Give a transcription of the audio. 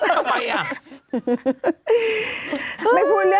เออนั่นแหละ